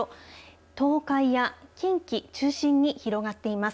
東海や近畿中心に広がっています。